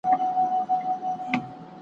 د رباب په غوږ کي وايی شهبازونه زما سندري .